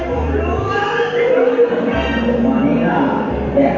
เวลาใครที่มองฉัน